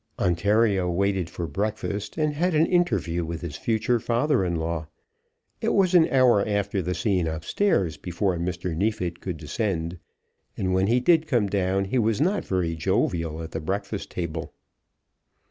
Ontario waited for breakfast, and had an interview with his future father in law. It was an hour after the scene up stairs before Mr. Neefit could descend, and when he did come down he was not very jovial at the breakfast table.